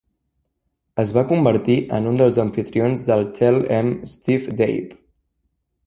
Es va convertir en un dels amfitrions del Tell 'Em Steve-Dave!